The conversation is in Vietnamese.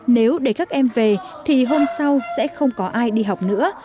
nếu để các em về thì hôm sau sẽ không có ai đi học nữa